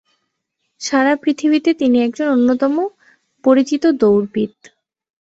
সারা পৃথিবীতে তিনি একজন অন্যতম পরিচিত দৌড়বিদ।